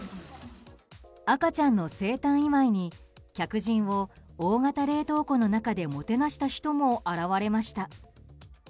赤ちゃんの生誕祝いに客人を大型冷凍庫の中でもてなした人も現れました。